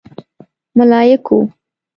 _ملايکو!